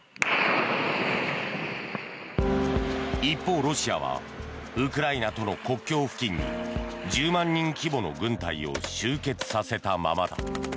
一方、ロシアはウクライナとの国境付近に１０万人規模の軍隊を集結させたままだ。